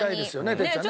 哲ちゃんね。